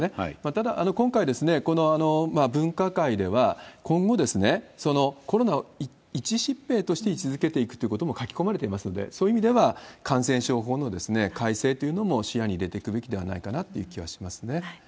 ただ、今回、この分科会では、今後、コロナを一疾病として位置づけていくということも書き込まれていますので、そういう意味では感染症法の改正というのも視野に入れていくべきではないかなという気はしますね。